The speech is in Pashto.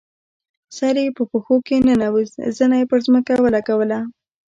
سر یې په پښو کې ننویست، زنه یې پر ځمکه ولګوله.